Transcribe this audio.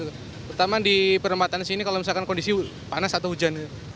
pertama di pernepatan sini kalau misalkan kondisi panas atau hujan